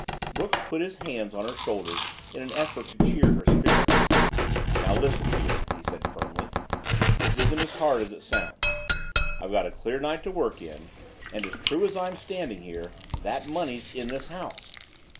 Brooks put his hands on her shoulders in an effort to cheer her spirits. "Now listen, dear," he said firmly, "this isn't as hard as it sounds. I've got a clear night to work in and as true as I'm standing here, that money's in this house.